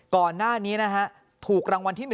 ก่อนหน้านี้นะฮะถูกรางวัลที่๑